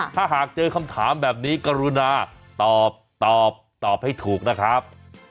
ถ้าหากเจอคำถามแบบนี้กรุณาตอบตอบให้ถูกนะครับ